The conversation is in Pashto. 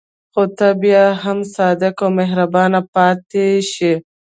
خو ته بیا هم صادق او مهربان پاتې شه.